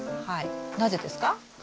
はいなぜですか？